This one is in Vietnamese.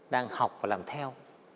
đang học và làm theo